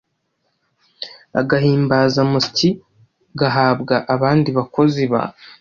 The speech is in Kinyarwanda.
agahimbazamusyi gahabwa abandi bakozi ba